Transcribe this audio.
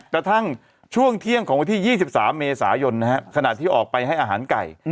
กระทั่งช่วงเที่ยงของวันที่๒๓เมษายนขณะที่ออกไปให้อาหารไก่